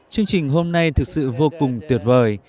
chương trình hôm nay thực sự vô cùng tuyệt vời